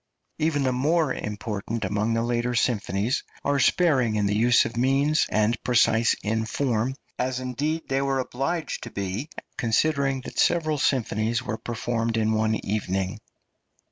Even the more important among the later symphonies are sparing in the use of means, and precise in form, as indeed they were obliged to be, considering that several symphonies were performed in one evening.